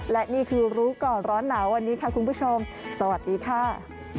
และนี่คือรู้ก่อนร้อนหนาววันนี้ค่ะคุณผู้ชมสวัสดีค่ะ